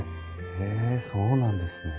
へえそうなんですね。